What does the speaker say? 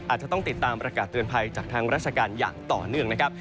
อาจจะต้องติดตามประกาศเตือนภัยจากทางราชการอย่างต่อเนื่องนะครับ